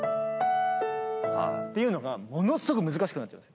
ていうのがものすごく難しくなっちゃう。